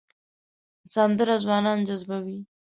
سندره ځوانان جذبوي